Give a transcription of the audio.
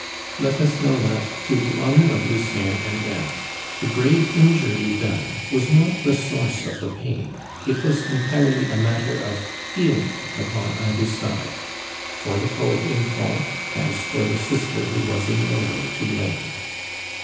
Let us know that, to the honor of Lucien and Eve, the grave injury done was not the source of the pain; it was entirely a matter of feeling upon either side, for the poet in fault, as for the sister who was in no way to blame.